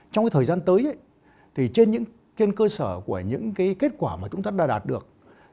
trong thời gian tới trên những cơ sở của những kết quả mà chúng ta đã đạt được